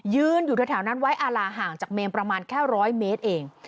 ยืนอยู่แถวนั้นไว้อาลาห่างจากเมนประมาณแค่๑๐๐เมตรเอง